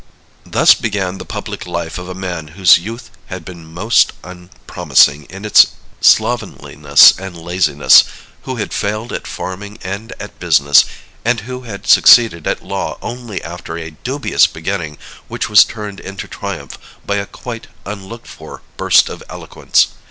Thus began the public life of a man whose youth had been most unpromising in its slovenliness and laziness, who had failed at farming and at business, and who had succeeded at law only after a dubious beginning which was turned into triumph by a quite unlooked for burst of eloquence.